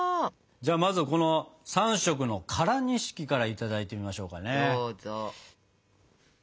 じゃあまずはこの３色の唐錦からいただいてみましょうかね。